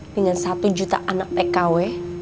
dengan satu juta anak tkw